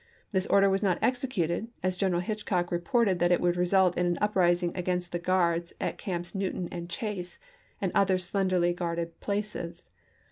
This order was not executed, as General Hitchcock reported that it would result in an uprising against the guards at Camps Newton and Chase, and other slenderly guarded places.